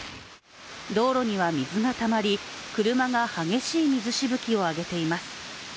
道路には水がたまり、車が激しい水しぶきを上げています。